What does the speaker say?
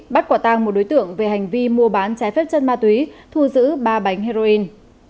bắt quả tang một đối tượng về hành vi mua bán trái phép chân ma túy thu giữ ba bánh heroin